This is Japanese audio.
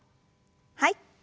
はい。